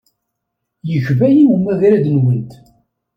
Yekba-iyi umagrad-nwent.